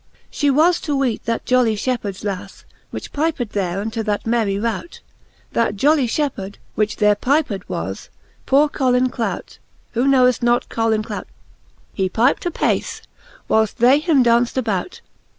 XVI. She was to weete that jolly fhepheards laffe. Which piped there unto that merry rout. That jolly {hepheard, which there piped, was Poore Colin Clout (who knowes not Colin Clout f) He pypt apace, whileft they him daunft about.